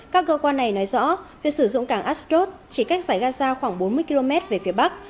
các cơ quan này nói rõ việc sử dụng cảng ashdod chỉ cách giải gaza khoảng bốn mươi km về phía bắc